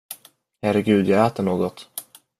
Herregud, jag äter något!